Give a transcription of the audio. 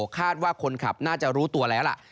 คาดว่าคนขับน่าจะรู้ตัวแล้วล่ะ